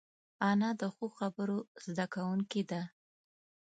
انا د ښو خبرو زده کوونکې ده